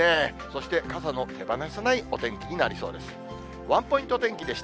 そして、傘の手放せないお天気になりそうです。